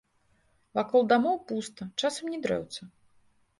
Вакол дамоў пуста, часам ні дрэўца.